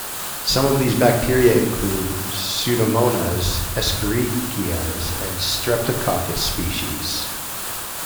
Some of these bacteria include "Pseudomonas", "Escherichia", and "Streptococcus" species.